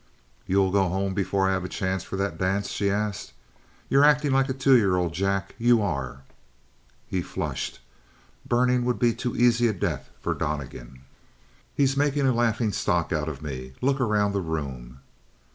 "You'll go home before I have a chance for that dance?" she asked. "You're acting like a two year old, Jack. You are!" He flushed. Burning would be too easy a death for Donnegan. "He's making a laughingstock out of me; look around the room!"